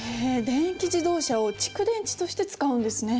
電気自動車を蓄電池として使うんですね。